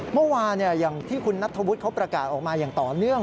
เมื่อวานอย่างที่คุณนัทธวุฒิเขาประกาศออกมาอย่างต่อเนื่อง